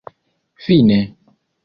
fine